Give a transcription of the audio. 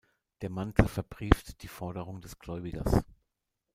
Der Mantel verbrieft die Forderung des Gläubigers.